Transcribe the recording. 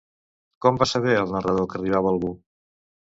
Com va saber el narrador que arribava algú?